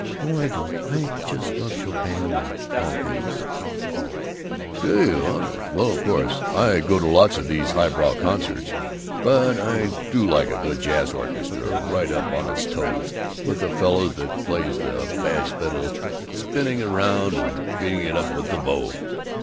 "Oh, I do! I just love Chopin and all those." "Do you, honest? Well, of course, I go to lots of these highbrow concerts, but I do like a good jazz orchestra, right up on its toes, with the fellow that plays the bass fiddle spinning it around and beating it up with the bow."